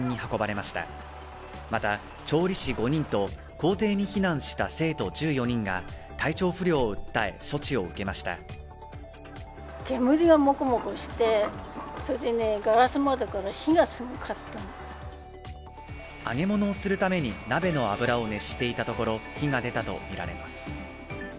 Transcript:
また調理師５人と校庭に避難した生徒１４人が体調不良を訴え、処置を受けました揚げ物をするために鍋の油を熱していたところ、火が出たとみられます。